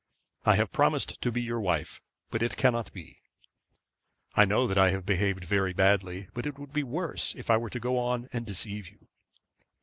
I have promised to be your wife, but it cannot be. I know that I have behaved very badly, but it would be worse if I were to go on and deceive you.